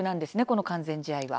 この完全試合は。